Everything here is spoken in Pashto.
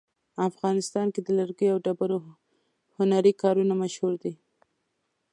افغانستان کې د لرګیو او ډبرو هنري کارونه مشهور دي